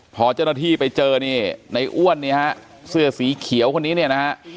พอเจ้าหน้าที่ไปเจอเนี่ยในอ้วนเนี่ยฮะเสื้อสีเขียวคนนี้เนี่ยนะฮะ